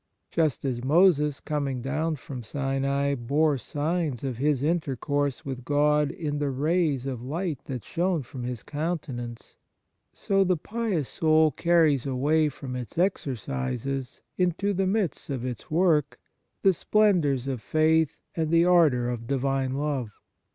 Just as Moses, coming down from Sinai, bore signs of His intercourse with God in the rays of light that shone from his counten ance, so the pious soul carries away from its exercises into the midst of its work the splendours of faith and the ardour of divine love.